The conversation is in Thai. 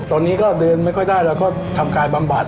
ตอนนี้ก็เดินไม่ค่อยได้แล้วก็ทำการบำบัด